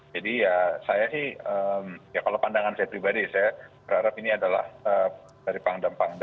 jadi ya saya sih ya kalau pandangan saya pribadi saya berharap ini adalah dari pangdam pangdam